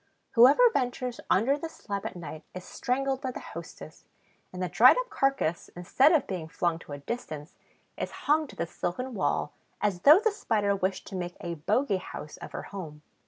Whoever ventures under the slab at night is strangled by the hostess; and the dried up carcass, instead of being flung to a distance, is hung to the silken wall, as though the Spider wished to make a bogey house of her home.